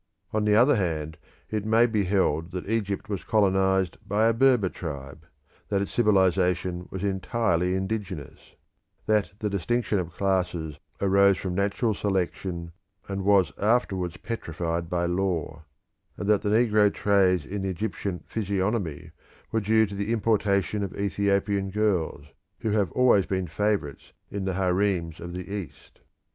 On the other hand it may be held that Egypt was colonised by a Berber tribe; that its civilisation was entirely indigenous; that the distinction of classes arose from natural selection, and was afterwards petrified by law, and that the negro traits in the Egyptian physiognomy were due to the importation of Ethiopian girls, who have always been favourites in the harems of the East.